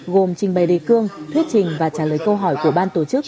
gồm trình bày đề cương thuyết trình và trả lời câu hỏi của ban tổ chức